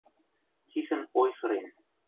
Тихӹн ойхырен.